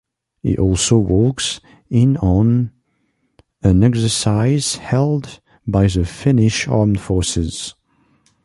He also walks in on an exercise held by the Finnish Armed Forces.